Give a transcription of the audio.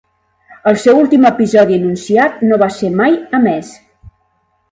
El seu últim episodi anunciat no va ser mai emès.